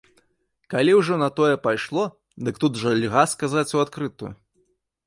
Калі ўжо на тое пайшло, дык тут жа льга сказаць у адкрытую.